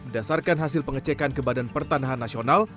dasarkan hasil pengecekan kebadan pertanahan nasional